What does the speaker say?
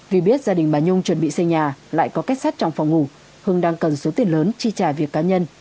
vì biết gia đình bà nhung chuẩn bị xây nhà lại có kết sát trong phòng ngủ hưng đang cần số tiền lớn chi trả việc cá nhân